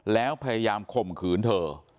แล้วพยายามข่มขืนเธอ